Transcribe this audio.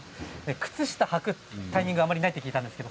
靴下をはくタイミングがあまりないと聞いたんですが。